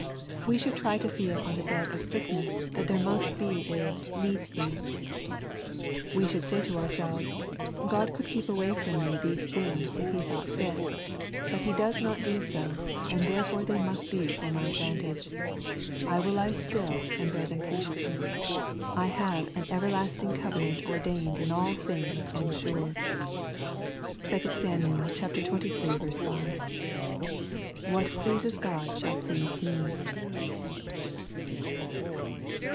We should try to feel on the bed of sickness that there uinst be a ^^eeds be," We should say to ourselves, ''God could keep away from me these things if He thought fit. But He does not do so, and therefore they must be for my advantage. I will lie still, and bear them patiently. I have ' an everlasting cove nant ordered in all things and sure/ (2 Sam. xxiiL 5.) What pleases Grod shall please me.''